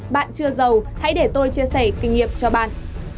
bạn chưa giàu hãy để tôi chia sẻ kinh nghiệm cho bạn